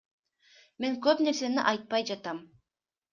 Мен көп нерсени айтпай жатам.